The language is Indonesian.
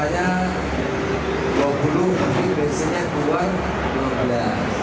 misalnya artanya dua puluh tapi bensinnya dua enam belas